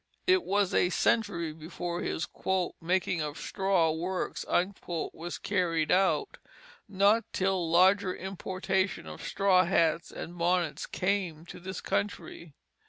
It was a century before his "making of straw works" was carried out, not till larger importations of straw hats and bonnets came to this country.